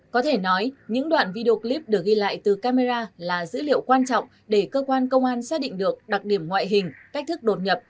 có thể nói những đoạn video clip được ghi lại từ camera là dữ liệu quan trọng để cơ quan công an xác định được đặc điểm ngoại hình cách thức đột nhập